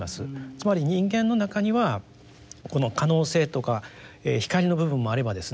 つまり人間の中にはこの可能性とか光の部分もあればですね